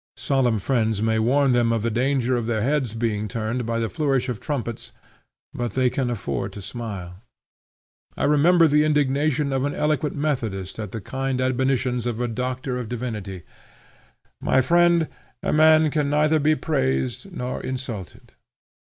Solemn friends will warn them of the danger of the head's being turned by the flourish of trumpets, but they can afford to smile. I remember the indignation of an eloquent Methodist at the kind admonitions of a Doctor of Divinity, 'My friend, a man can neither be praised nor insulted.'